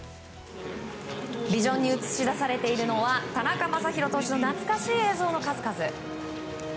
ビジョンに映し出されているのは田中将大投手の懐かしい映像の数々。